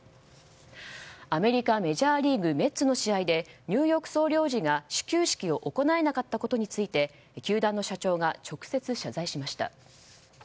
アメリカ、メジャーリーグメッツの試合でニューヨーク総領事が、始球式を行えなかったことについて球団の社長が直接謝罪しました。